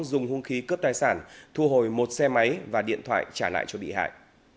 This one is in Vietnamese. dùng hung khí cướp tài sản thu hồi một xe máy và điện thoại trả lại cho bị hại